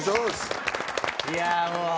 いやあもう。